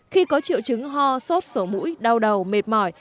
khi có triệu chứng ho sốt sổ mũi đau đầu mệt mỏi